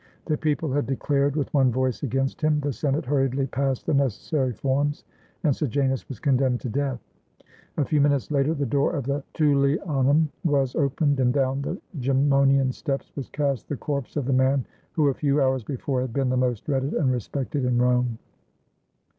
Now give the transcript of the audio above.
The people had declared with one voice against him. The Senate hurriedly passed the necessary forms, and Sejanus was condemned to death. A few minutes later the door of the Tullianum was opened, and down the Gemonian steps was cast the corpse of the man who a few hours before had been the most dreaded and respected in Rome.